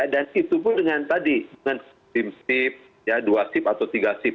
dan itu pun dengan tadi dengan sim sip dua sip atau tiga sip